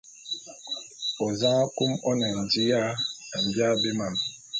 Ozang akum one ndi ya mbia bé mam.